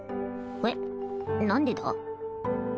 えっ何でだ？